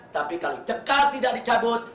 tapi kalau cekal tidak dicabut